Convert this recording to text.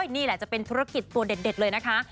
นี่แหละจะเป็นธุรกิจตัวเด็ดเลยนะคะ